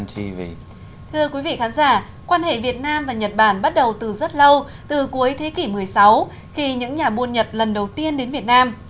thưa quý vị khán giả quan hệ việt nam và nhật bản bắt đầu từ rất lâu từ cuối thế kỷ một mươi sáu khi những nhà buôn nhật lần đầu tiên đến việt nam